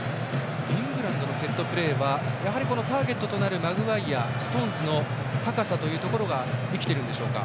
イングランドのセットプレーはやはりターゲットとなるマグワイアストーンズの高さというのが生きているんでしょうか？